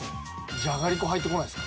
じゃがりこ入ってこないですか？